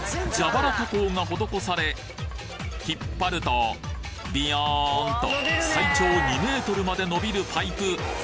蛇腹加工が施され引っぱるとビヨーンと最長２ｍまで伸びるパイプ